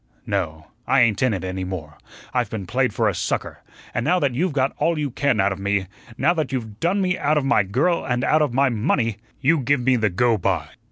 No, I ain't in it any more. I've been played for a sucker, an' now that you've got all you can out of me, now that you've done me out of my girl and out of my money, you give me the go by.